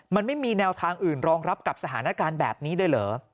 มันไม่มีแนวทางอื่นรองรับกับสถานการณ์แบบนี้เลยเหรอ